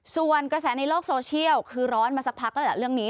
ส่วนกระแสในโลกโซเชียลคือร้อนมาสักพักแล้วแหละเรื่องนี้